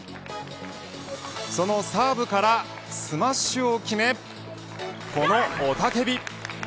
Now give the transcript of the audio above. そのサーブからスマッシュを決めこの雄たけび。